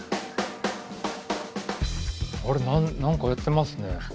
あれ何かやってますね。